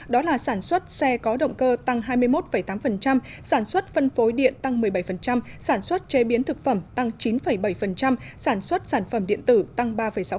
đó là sản xuất xe có động cơ tăng hai mươi một tám sản xuất phân phối điện tăng một mươi bảy sản xuất chế biến thực phẩm tăng chín bảy sản xuất sản phẩm điện tử tăng ba sáu